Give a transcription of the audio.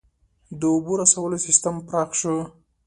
• د اوبو رسولو سیستم پراخ شو.